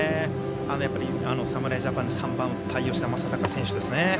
侍ジャパンの３番を打った吉田正尚選手ですね。